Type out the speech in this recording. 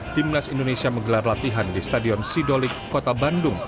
timnas indonesia menggelar latihan di stadion sidolik kota bandung